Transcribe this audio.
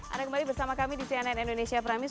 ada kembali bersama kami di cnn indonesia prime news